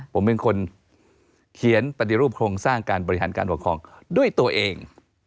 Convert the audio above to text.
ผมเป็นคนเขียนปฏิรูปโครงสร้างการบริหารการปกครองด้วยตัวเอง